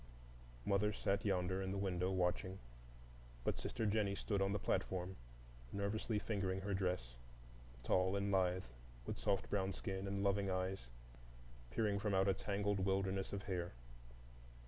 Mother sat yonder in the window watching; but sister Jennie stood on the platform, nervously fingering her dress, tall and lithe, with soft brown skin and loving eyes peering from out a tangled wilderness of hair.